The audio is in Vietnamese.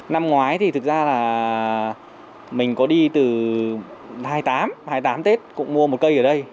năm ngoái thì thực ra là mình có đi từ hai mươi tám hai mươi tám tết cũng mua một cây ở đây